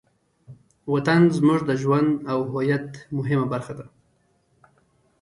وطن زموږ د ژوند او هویت مهمه برخه ده.